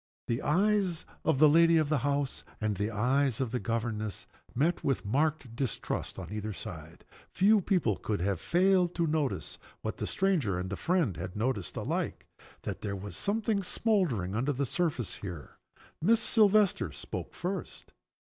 The eyes of the lady of the house and the eyes of the governess met, with marked distrust on either side. Few people could have failed to see what the stranger and the friend had noticed alike that there was something smoldering under the surface here. Miss Silvester spoke first.